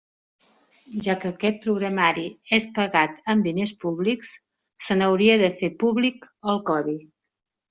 Ja que aquest programari és pagat amb diners públics, se n'hauria de fer públic el codi.